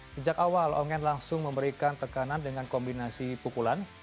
sejak awal ongen langsung memberikan tekanan dengan kombinasi pukulan